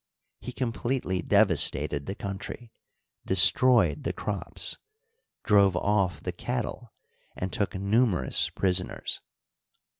He completely devastated the country, destroyed the crops, drove off the cattle, and took numerous prisoners.